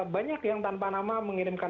banyak yang tanpa nama mengirimkan